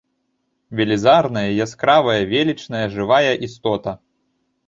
Велізарная, яскравая, велічная жывая істота.